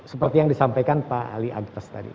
seperti yang disampaikan pak ali agtas tadi